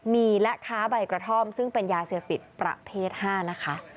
มีและค้าใบกระท่อมซึ่งเป็นยาเสพติดประเภท๕นะคะ